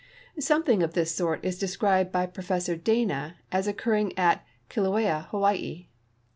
Something of this sort is described by Professor Dana as occur ring at Kilauea, in Hawaii.